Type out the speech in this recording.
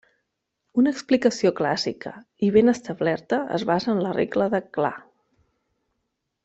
Una explicació clàssica i ben establerta es basa en la regla de Clar.